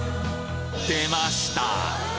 でました！